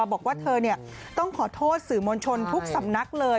บอกว่าเธอต้องขอโทษสื่อมวลชนทุกสำนักเลย